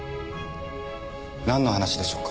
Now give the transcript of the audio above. なんの話でしょうか。